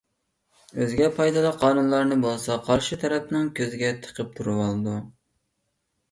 ئۆزىگە پايدىلىق قانۇنلارنى بولسا قارشى تەرەپنىڭ كۆزىگە تىقىپ تۇرۇۋالىدۇ.